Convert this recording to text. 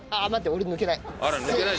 俺抜けない。